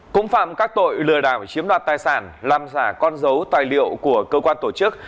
cũng phạm các tội lừa đảo chiếm đoạt tài sản làm giả con dấu tài liệu của cơ quan tổ chức